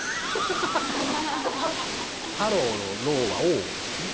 ハローの「ロー」は「ｏ」ですね。